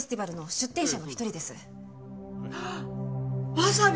わさび！